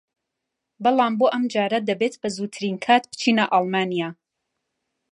بەڵام بۆ ئەمجارە دەبێت بەزووترین کات بچینە ئەڵمانیا